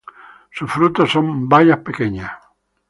Sus frutos son bayas pequeñas.